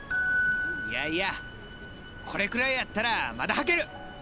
いやいやこれくらいやったらまだ履ける！